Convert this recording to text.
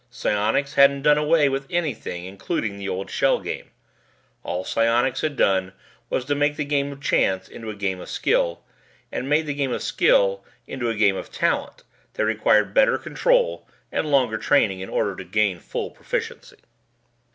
Psionics hadn't done away with anything including the old shell game. All psionics had done was to make the game of chance into a game of skill, and made the game of skill into a game of talent that required better control and longer training in order to gain full proficiency.